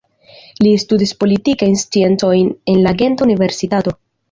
Li studis politikajn sciencojn en la Genta Universitato.